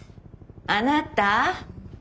あなた！